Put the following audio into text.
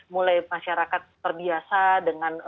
mulai masyarakat terbiasa dengan